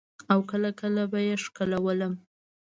او کله کله به يې ښکلولم.